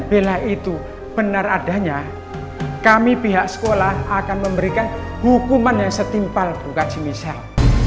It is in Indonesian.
bella itu benar adanya kami pihak sekolah akan memberikan hukuman yang setimpal buka jenis sel